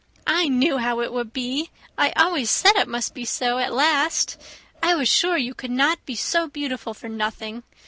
I knew how it would be. I always said it must be so, at last. I was sure you could not be so beautiful for nothing!